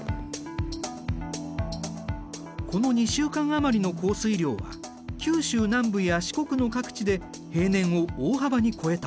この２週間余りの降水量は九州南部や四国の各地で平年を大幅に超えた。